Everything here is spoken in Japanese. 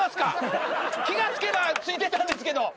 気が付けば付いてたんですけど。